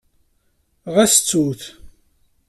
Ɣas ttu-t.